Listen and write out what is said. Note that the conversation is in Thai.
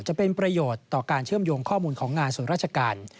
จะเป็นประโยชน์ต่อการเชื่อมโยงข้อมูลของงานส่วนราชการ